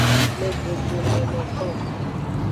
Le dodome no kplon.